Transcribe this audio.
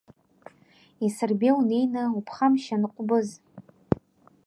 Исырбеи унеины, уԥхамшьан Ҟәбыз!